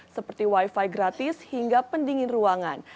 seperti wifi gratis hingga pendingin ruangan